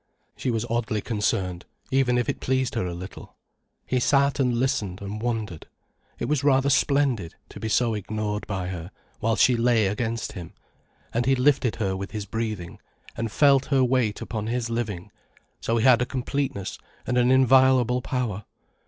She was oddly concerned, even as if it pleased her a little. He sat and listened and wondered. It was rather splendid, to be so ignored by her, whilst she lay against him, and he lifted her with his breathing, and felt her weight upon his living, so he had a completeness and an inviolable power.